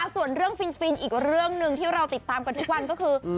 ส่วนเรื่องฟินอีกเรื่องหนึ่งที่เราติดตามกันทุกวันก็คือ